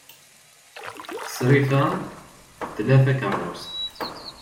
Crifa tla takeṛṛust.